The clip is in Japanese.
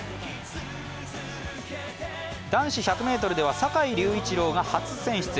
男子１００ｍでは坂井隆一郎が初選出。